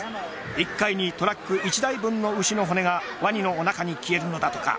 １回にトラック１台分の牛の骨がワニのお腹に消えるのだとか。